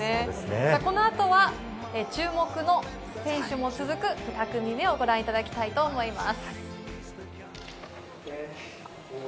この後は注目の選手も続く、２組目をご覧いただきます。